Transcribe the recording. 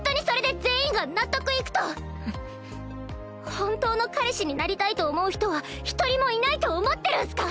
本当の彼氏になりたいと思う人は一人もいないと思ってるんスか？